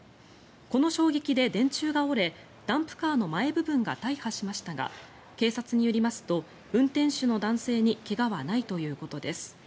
この衝撃で電柱が折れダンプカーの前部分が大破しましたが警察によりますと運転手の男性に怪我はないということです。